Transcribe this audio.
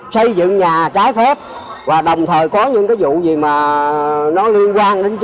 xây dựng nhà trái phép và đồng thời có những vụ gì liên quan đến vấn đề